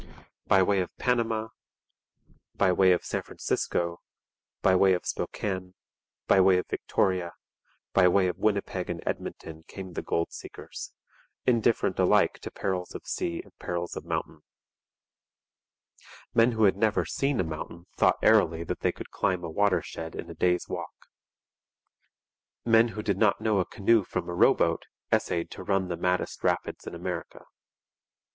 By way of Panama, by way of San Francisco, by way of Spokane, by way of Victoria, by way of Winnipeg and Edmonton came the gold seekers, indifferent alike to perils of sea and perils of mountain. Men who had never seen a mountain thought airily that they could climb a watershed in a day's walk. Men who did not know a canoe from a row boat essayed to run the maddest rapids in America.